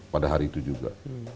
pada hari itu juga